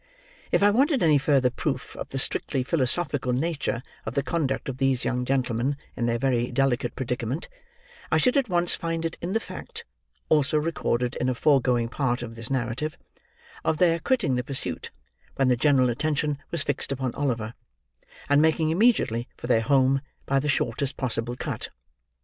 If I wanted any further proof of the strictly philosophical nature of the conduct of these young gentlemen in their very delicate predicament, I should at once find it in the fact (also recorded in a foregoing part of this narrative), of their quitting the pursuit, when the general attention was fixed upon Oliver; and making immediately for their home by the shortest possible cut.